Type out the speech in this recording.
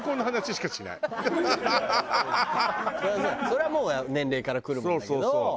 それはもう年齢からくるものだけど。